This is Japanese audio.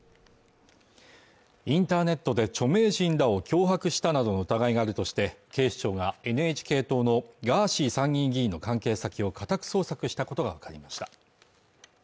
インターネットで著名人らを脅迫したなどの疑いがあるとして警視庁がＮＨＫ党のガーシー参院議員の関係先を家宅捜索したことが分かりました